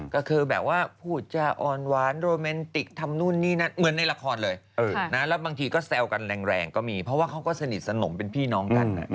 ก็คือแบบว่าพูดจะอ่อนหวานโรแมนติกทำนู่นนี่นั่นเหมือนในละครเลยแล้วบางทีก็แซวกันแรงก็มีเพราะว่าเขาก็สนิทสนมเป็นพี่น้องกัน